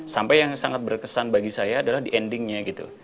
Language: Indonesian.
sampai yang sangat berkesan bagi saya adalah di endingnya gitu